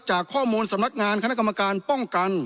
จากข้อมูลสำนักงานคณะกรรมการป้องกัน